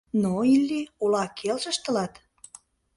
— Но, Илли, ола келшыш тылат?